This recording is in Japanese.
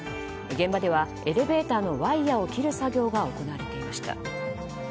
現場ではエレベーターのワイヤを切る作業が行われていました。